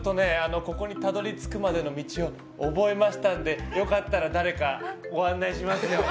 ここにたどり着くまでの道を覚えましたので良かったら誰かご案内しますよ。